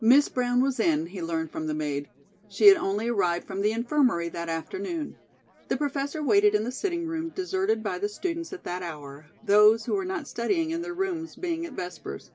Miss Brown was in, he learned from the maid. She had only arrived from the Infirmary that afternoon. The Professor waited in the sitting room deserted by the students at that hour, those who were not studying in their rooms being at Vespers.